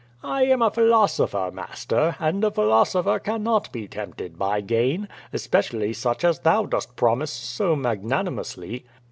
"I am a philosopher, master, and a philosopher cannot be tempted by gain, especially such as thou dost promise so mag nanimously."